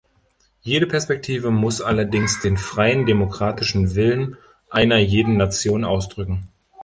Jede Perspektive muss allerdings den freien demokratischen Willen einer jeden Nation ausdrücken.